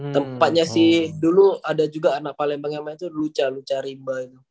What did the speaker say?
tempatnya sih dulu ada juga anak palembang yang main tuh lucha lucha rimba itu